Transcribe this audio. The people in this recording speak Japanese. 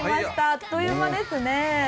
あっという間ですね。